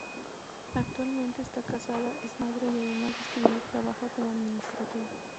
Actualmente está casada, es madre, y además de escribir trabaja como administrativa.